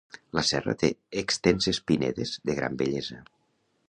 La serra té extenses pinedes de gran bellesa.